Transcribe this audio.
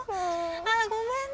ああごめんね。